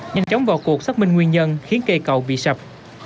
nhanh chóng vào cuộc xác minh nguyên nhân khiến cây cầu bị sập